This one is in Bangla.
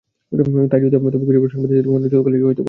তা-ই যদি হয়, তবে গুজবে সাংবাদিকদের মুখে চুনকালিই হয়তো পড়তে চলেছে।